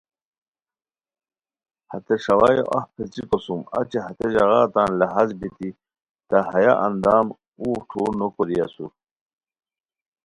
ہتے ݰاوائیو اف پیڅھیکو سُم اچی ہتے ژاغا تان لہاز بیتی تا ہیہ اندام اوغ ٹھور نو کوری اسور